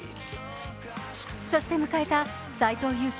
そして迎えた斎藤佑樹